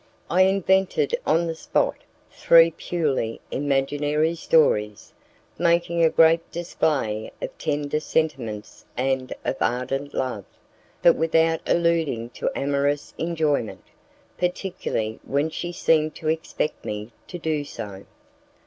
I invented on the spot three purely imaginary stories, making a great display of tender sentiments and of ardent love, but without alluding to amorous enjoyment, particularly when she seemed to expect me to do so.